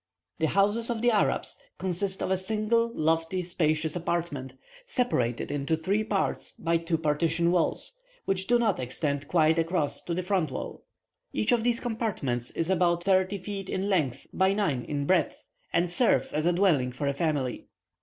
The houses of the Arabs consist of a single, lofty, spacious apartment, separated into three parts by two partition walls, which do not extend quite across to the front wall. Each of these compartments is about thirty feet in length by nine in breadth, and serves as a dwelling for a family.